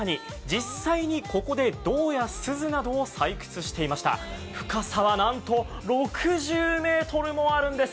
実際にここで銅やすずなどを採掘していました深さはなんと６０ｍもあるんです。